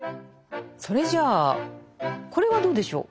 それじゃあこれはどうでしょう。